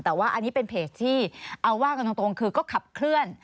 แต่ว่าอันนี้เป็นเพจที่เอาว่ากันตรงคือก็ขับเคลื่อน